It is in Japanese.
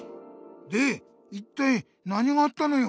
でいったい何があったのよ？